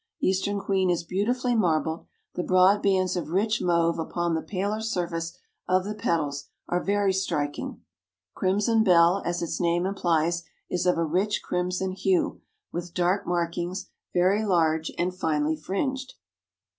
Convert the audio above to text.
"Eastern Queen" is beautifully marbled; the broad bands of rich mauve upon the paler surface of the petals are very striking. "Crimson Belle," as its name implies, is of a rich crimson hue, with dark markings; very large and finely fringed.